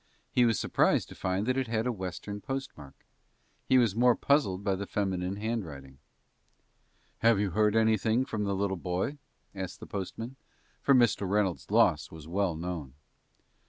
He was surprised to find that it had a Western postmark. He was more puzzled by the feminine handwriting. "Have you heard anything from the little boy?" asked the postman, for Mr. Reynolds' loss was well known.